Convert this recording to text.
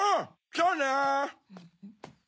じゃあね。